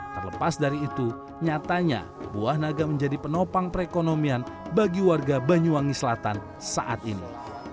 terlepas dari itu nyatanya buah naga menjadi penopang perekonomian bagi warga banyuwangi selatan saat ini